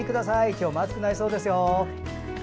今日も暑くなりそうですよ。